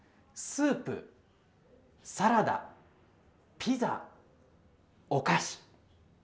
スープ、サラダ、ピザ、お菓子。